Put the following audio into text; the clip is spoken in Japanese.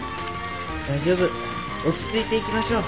大丈夫落ち着いていきましょう。